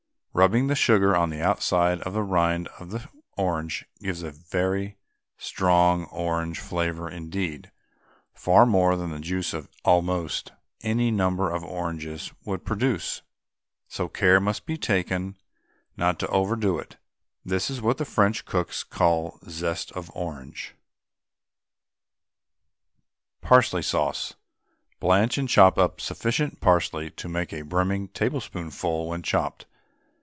Rubbing the sugar on the outside of the rind of the orange gives a very strong orange flavour indeed far more than the juice of almost any number of oranges would produce, so care must be taken not to overdo it. This is what French cooks call zest of orange. PARSLEY SAUCE. Blanch and chop up sufficient parsley to make a brimming tablespoonful when chopped.